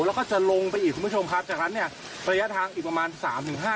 แล้วก็จะลงไปอีกคุณผู้ชมครับจากนั้นเนี่ยระยะทางอีกประมาณสามถึงห้า